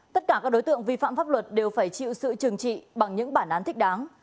tất cả các đối tượng vi phạm pháp luật đều phải chịu sự trừng trị bằng những bản án thích đáng